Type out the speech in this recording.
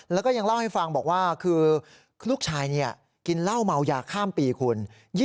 แล้วก็ยังเล่าให้ฟังบอกว่าคือลูกชายกินเหล้าเมายาข้ามปีคุณ